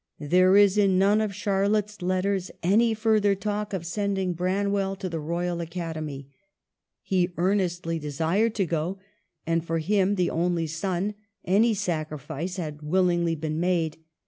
There is in none of Charlotte's letters any further talk of sending Branwell to the Royal Academy. He earnestly desired to go, and for him, the only son, any. sacrifice had willingly been made.